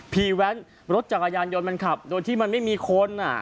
แว้นรถจักรยานยนต์มันขับโดยที่มันไม่มีคน